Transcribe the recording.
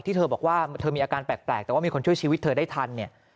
เธอบอกว่าเธอมีอาการแปลกแต่ว่ามีคนช่วยชีวิตเธอได้ทันเนี่ย